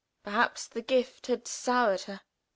Perhaps the gift had soured her.